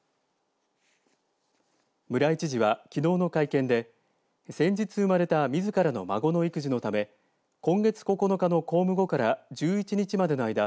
村井知事は、きのうの会見で先日生まれたみずからの孫の育児のため今月９日の公務後から１１日までの間